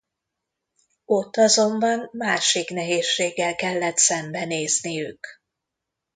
Ott azonban másik nehézséggel kellett szembenézniük.